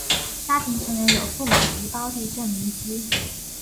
家庭成员有父母及胞弟郑民基。